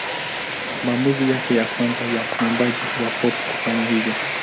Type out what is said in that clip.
Maamuzi yake ya kwanza ya mwimbaji wa pop kufanya hivyo.